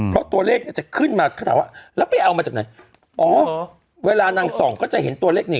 เพราะตัวเลขจะขึ้นมาแล้วไปเอามาจากไหนอ๋อเวลานางส่องก็จะเห็นตัวเลขนี่